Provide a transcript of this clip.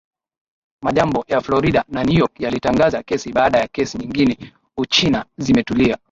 Majimbo ya Florida na New York yalitangaza kesi baada ya kesi nchini Uchina zimetulia